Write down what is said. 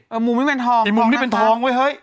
อ่ะมุมนี้เป็นทองอีกมุมนี้เป็นทองไว้เฮ้ย